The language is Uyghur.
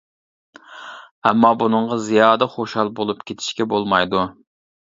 ئەمما بۇنىڭغا زىيادە خۇشال بولۇپ كېتىشكە بولمايدۇ.